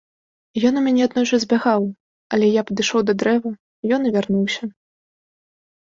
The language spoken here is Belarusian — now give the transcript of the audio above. Ён у мяне аднойчы збягаў, але я падышоў да дрэва, ён і вярнуўся.